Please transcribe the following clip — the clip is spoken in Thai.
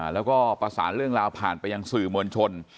แล้วก็ประสานเรื่องราวผ่านไปยังสื่อมวลชน